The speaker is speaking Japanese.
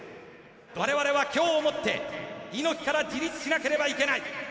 我々は今日をもって猪木から自立しなければいけない。